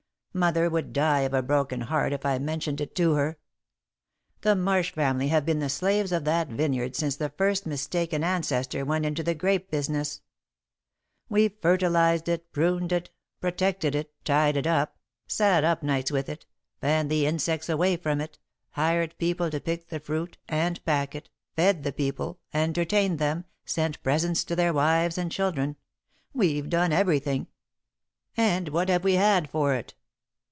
Mother would die of a broken heart if I mentioned it to her. The Marsh family have been the slaves of that vineyard since the first mistaken ancestor went into the grape business. We've fertilised it, pruned it, protected it, tied it up, sat up nights with it, fanned the insects away from it, hired people to pick the fruit and pack it, fed the people, entertained them, sent presents to their wives and children we've done everything! And what have we had for it?